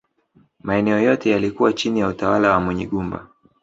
Maeneo yote yaliyokuwa chini ya utawala wa Munyigumba